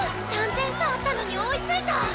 ３点差あったのに追いついた！